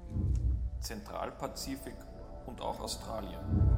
Zentralpazifik und auch Australien.